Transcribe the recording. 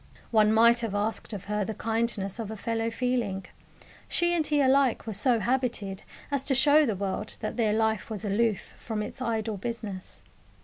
One might have asked of her the kindness of a fellow feeling. She and he alike were so habited as to show the world that their life was aloof from its "idle business."